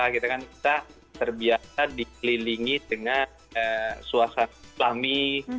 kita kan terbiasa dikelilingi dengan suasana islami